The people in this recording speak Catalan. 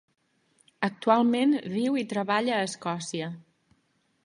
Actualment viu i treballa a Escòcia.